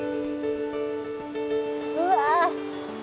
うわ。